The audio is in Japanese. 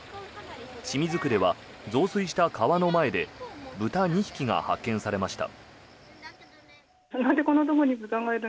清水区では増水した川の前で豚２匹が発見されました。